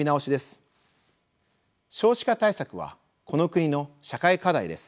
少子化対策はこの国の社会課題です。